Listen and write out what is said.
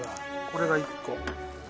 これが１個。